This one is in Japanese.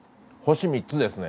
星３つですね。